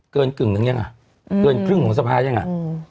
กึ่งหนึ่งยังอ่ะเกินครึ่งของสภายังอ่ะอืม